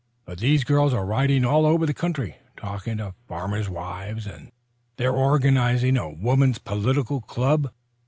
"But these girls are riding all over the country, talking to farmers' wives, and they're organizing a woman's political club.